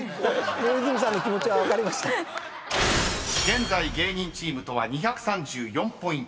［現在芸人チームとは２３４ポイント差］